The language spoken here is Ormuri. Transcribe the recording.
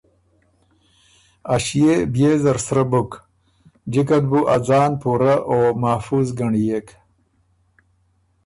ا ݭيې بيې زر سرۀ بُک جِکه ن بُو ا ځان پُورۀ او محفوظ ګںړيېک۔